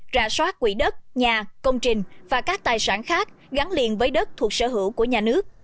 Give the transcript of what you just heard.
rà soát quỹ đất nhà công trình và các tài sản khác gắn liền với đất thuộc sở hữu của nhà nước